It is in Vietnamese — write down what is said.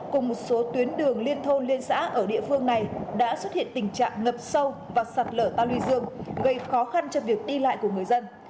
cùng một số tuyến đường liên thôn liên xã ở địa phương này đã xuất hiện tình trạng ngập sâu và sạt lở ta luy dương gây khó khăn cho việc đi lại của người dân